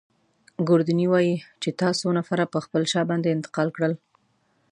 ګوردیني وايي چي تا څو نفره پر خپله شا باندې انتقال کړل.